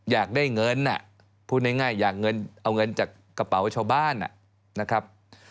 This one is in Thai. อยากได้เงินพูดง่ายอยากเอาเงินจากกระเป๋าชาวบ้านนะครับ